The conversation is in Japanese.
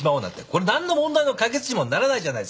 これ何の問題の解決にもならないじゃないですか。